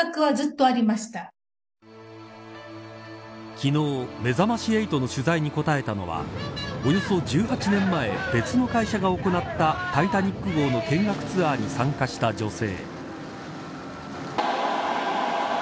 昨日、めざまし８の取材に答えたのはおよそ１８年前別の会社が行ったタイタニック号の見学ツアーに参加した女性。